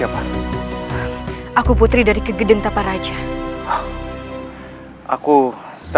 agar guru rin parecer juga nganjur